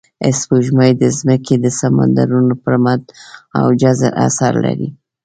سپوږمۍ د ځمکې د سمندرونو پر مد او جزر اثر لري